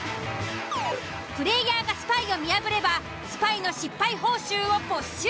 プレイヤーがスパイを見破ればスパイの失敗報酬を没収。